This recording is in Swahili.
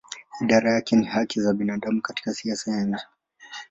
Idara yake ni haki za binadamu katika siasa ya nje.